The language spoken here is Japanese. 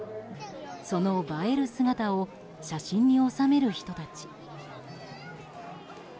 その映える姿を写真に収める人たち。